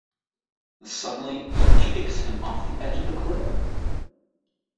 Suddenly, he kicks him off the edge of the cliff.